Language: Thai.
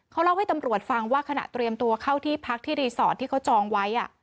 เขาเล่าให้ตำรวจฟังว่าขณะเตรียมตัวเข้าที่พักที่รีสอร์ทที่เขาจองไว้